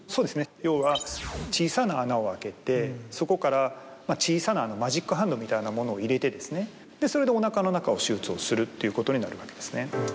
要は小さな穴を開けてそこから小さなマジックハンドみたいなものを入れてそれでお腹の中を手術をするということになるわけですね。